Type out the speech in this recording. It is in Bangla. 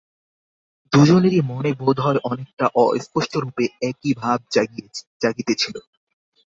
দুজনেরই মনে বোধ হয় অনেকটা অস্পষ্টরূপে একই ভাব জাগিতেছিল।